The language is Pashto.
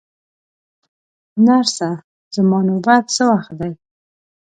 نرسه، زما نوبت څه وخت دی؟